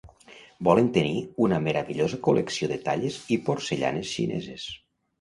Volen tenir una meravellosa col·lecció de talles i porcellanes xineses .